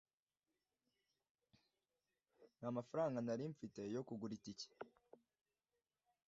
ntamafaranga nari mfite yo kugura itike